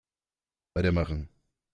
Weitermachen!